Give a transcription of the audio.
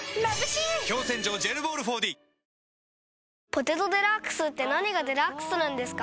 「ポテトデラックス」って何がデラックスなんですか？